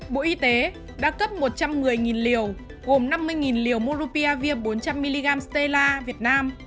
bộ y tế đã cấp một trăm một mươi liều gồm năm mươi liều morriavir bốn trăm linh mg stela việt nam